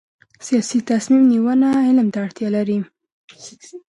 سیاسي تصمیم نیونه علم ته اړتیا لري